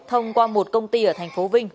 thông qua một công ty ở tp vinh